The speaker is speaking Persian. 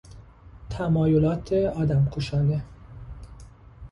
تمایلات آدمکشانه